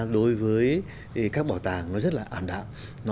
đối với các bảo tàng nó rất là ảm đạm